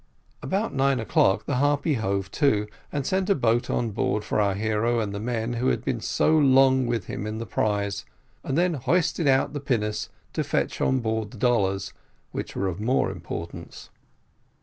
About nine o'clock the Harpy hove to, and sent a boat on board for our hero and the men who had been so long with him in the prize, and then hoisted out the pinnace to fetch on board the dollars, which were of more importance.